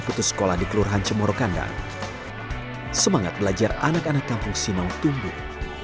putus sekolah di kelurahan cemurukandang semangat belajar anak anak kampung sinaw tumbuh